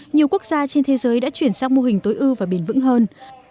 nhiều quốc gia trên thế giới đã chuyển sang mô hình tối ưu và bền vững hơn